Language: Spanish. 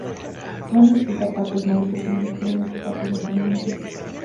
No necesita partes móviles, ni electrodos, y parte de un fenómeno físico.